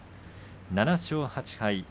７勝８敗。